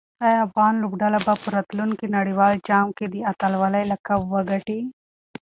آیا افغان لوبډله به په راتلونکي نړیوال جام کې د اتلولۍ لقب وګټي؟